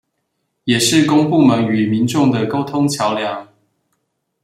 也是公部門與民眾的溝通橋樑